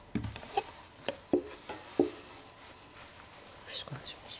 よろしくお願いします。